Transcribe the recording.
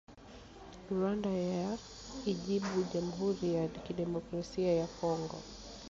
Rwanda yaijibu Jamhuri ya Kidemokrasia ya Kongo